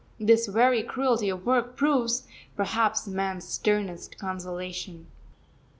This very cruelty of work proves, perhaps, man's sternest consolation.